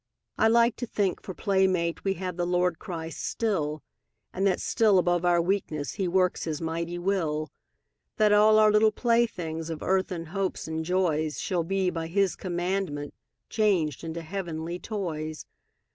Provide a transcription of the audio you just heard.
I like to think, for playmate We have the Lord Christ still, And that still above our weakness He works His mighty will, That all our little playthings Of earthen hopes and joys Shall be, by His commandment, Changed into heavenly toys.